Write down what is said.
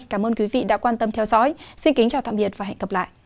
cám ơn các bạn đã theo dõi cảm ơn